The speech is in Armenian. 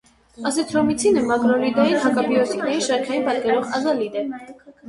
Ազիթրոմիցինը մակրոլիդային հակաբիոտիկների շարքին պատկանող ազալիդ է։